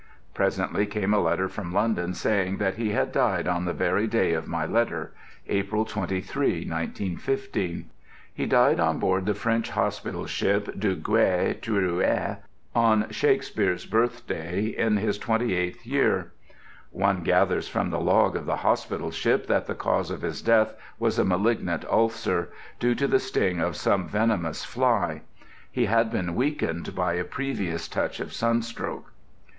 Presently came a letter from London saying that he had died on the very day of my letter—April 23, 1915. He died on board the French hospital ship Duguay Trouin, on Shakespeare's birthday, in his 28th year. One gathers from the log of the hospital ship that the cause of his death was a malignant ulcer, due to the sting of some venomous fly. He had been weakened by a previous touch of sunstroke.